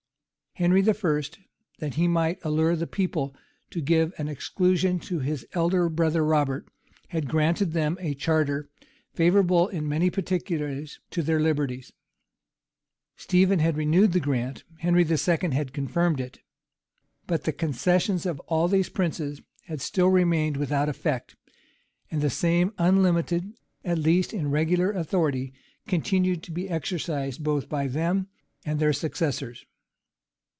Henry I., that he might allure the people to give an exclusion to his elder brother Robert, had granted them a charter, favorable in many particulars to their liberties; Stephen had renewed the grant; Henry II. had confirmed it: but the concessions of all these princes had still remained without effect; and the same unlimited, at least in regular authority, continued to be exercised both by them and their successors.